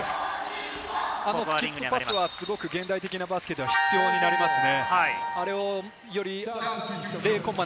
あのスキップパスは現代バスケでは必要になりますね。